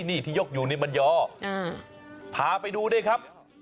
นี่ที่ยกอยู่นี่มันยอพาไปดูด้วยครับ